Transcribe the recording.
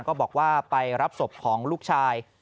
ก็บอกว่าไปรับศพของลูกชาย